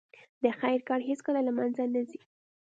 د خیر کار هیڅکله له منځه نه ځي.